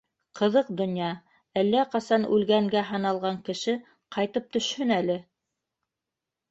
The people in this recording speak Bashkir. Ҡыҙыҡ донъя: әллә ҡасан үлгәнгә һаналған, кеше ҡайтып төшһөн әле!